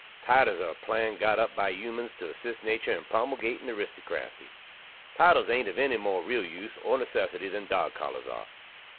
Titles are a plan got up bi humans tew assist natur in promulgating aristokrasy. Titles ain't ov enny more real use or necessity than dog collars are.